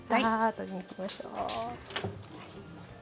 取りに行きましょう。